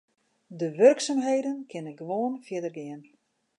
De wurksumheden kinne gewoan fierder gean.